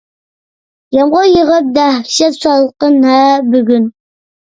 يامغۇر يېغىپ دەھشەت سالقىن-ھە بۈگۈن.